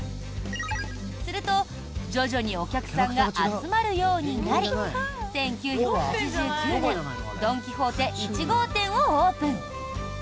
すると、徐々にお客さんが集まるようになり１９８９年ドン・キホーテ１号店をオープン。